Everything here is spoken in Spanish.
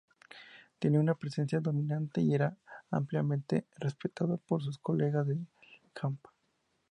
Tenía una presencia dominante, y era ampliamente respetado por sus colegas del hampa.